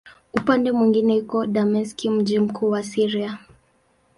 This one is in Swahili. Upande mwingine iko Dameski, mji mkuu wa Syria.